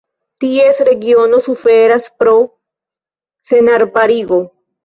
Ties regiono suferas pro senarbarigo.